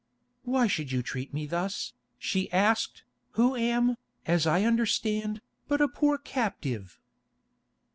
"Why should you treat me thus," she asked, "who am, as I understand, but a poor captive?"